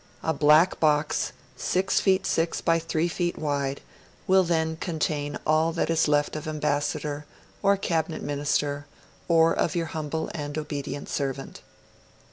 A black box, six feet six by three feet wide, will then contain all that is left of Ambassador, or Cabinet Minister, or of your humble and obedient servant.'